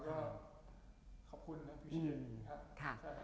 เราก็ขอบคุณนะพี่เชียว